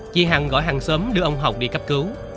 chị hằng gọi hàng xóm đưa ông hồng đi cấp cứu